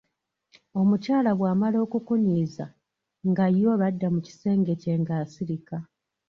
"Omukyala bw'amala okukunyiiza, nga ye olwo adda mu kisenge kye nga asirika."